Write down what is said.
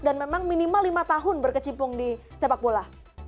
dan memang minimal lima tahun berkecimpung di sepak bola